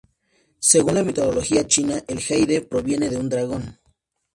Según la mitología china el jade provenía de un dragón.